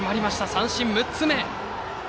三振６つ目。